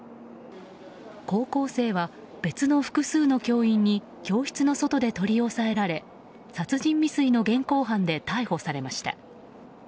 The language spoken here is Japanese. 高校生は、別の複数の教員に教室の外で取り押さえられ殺人未遂の現行犯で逮捕されました。